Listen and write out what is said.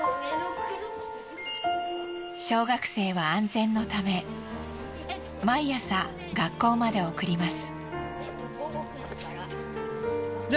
小学生は安全のため毎朝学校まで送ります。